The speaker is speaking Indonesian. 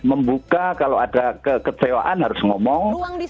membuka kalau ada kekecewaan harus ngomong